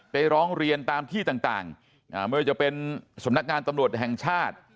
ร้องเรียนตามที่ต่างไม่ว่าจะเป็นสำนักงานตำรวจแห่งชาติ